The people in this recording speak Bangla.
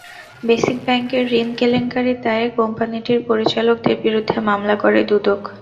বেসিক ব্যাংকের ঋণ কেলেঙ্কারির দায়ে কোম্পানিটির পরিচালকদের বিরুদ্ধে মামলা করে দুদক।